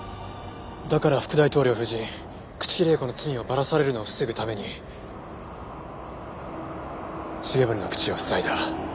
だから副大統領夫人朽木里江子の罪をバラされるのを防ぐために繁森の口を塞いだ。